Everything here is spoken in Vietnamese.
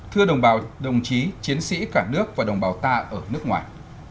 thưa đồng bào đồng chí chiến sĩ cả nước và đồng bào ta ở nước ngoài